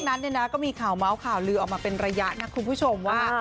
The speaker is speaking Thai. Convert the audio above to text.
นัทเนี่ยนะก็มีข่าวเมาส์ข่าวลือออกมาเป็นระยะนะคุณผู้ชมว่า